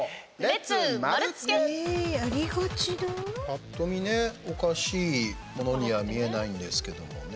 パッと見、おかしいものには見えないんですけどもね。